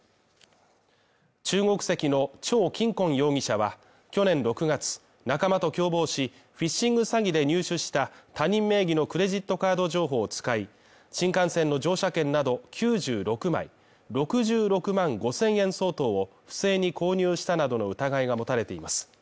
中国籍の張錦根容疑者は去年６月、仲間と共謀し、フィッシング詐欺で入手した他人名義のクレジットカード情報を使い、新幹線の乗車券など９６枚６６万５０００円相当を不正に購入したなどの疑いが持たれています。